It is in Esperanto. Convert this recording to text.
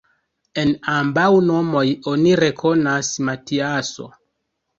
En ambaŭ nomoj oni rekonas: Matiaso.